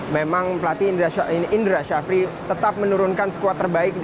memang pelatih indra shafri tetap menurunkan sekuat terbaik